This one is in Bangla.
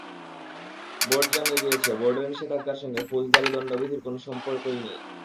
বোর্ড জানিয়ে দিয়েছে, বোর্ডের নিষেধাজ্ঞার সঙ্গে ফৌজদারি দণ্ডবিধির কোনোই সম্পর্ক নেই।